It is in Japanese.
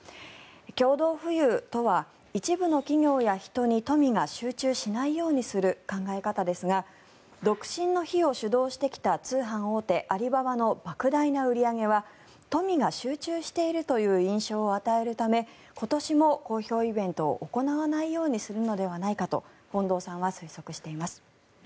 共同富裕とは一部の企業や人に富が集中しないようにする考えですが独身の日を主導してきた通販大手アリババのばく大な売り上げは富が集中しているという印象を与えるため今年も公表イベントを行わないようにするのではないかと近藤さんは推測しています。